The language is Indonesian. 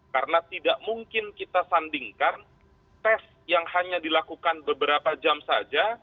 karena tidak mungkin kita sandingkan tes yang hanya dilakukan beberapa jam saja